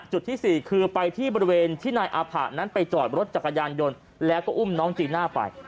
จุดที่๔คือไปที่บริเวณที่นายอาผะนั้นไปจอดรถจักรยานยนต์แล้วก็อุ้มน้องจีน่าไป